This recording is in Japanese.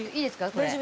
これ。